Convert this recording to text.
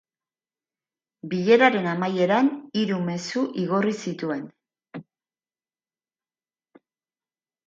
Bileraren amaieran, hiru mezu igorri zituen.